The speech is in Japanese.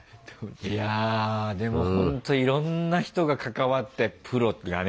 いやでもほんといろんな人が関わってプロがね